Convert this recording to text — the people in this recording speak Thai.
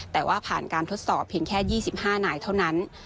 แต่ว่าผ่านการทดสอบเพียงแค่๒๕นายเท่านั้น